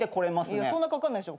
いやそんなかかんないっしょ。